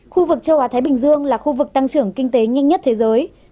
khu vực châu á thái bình dương là khu vực tăng trưởng kinh tế nhanh nhất thế giới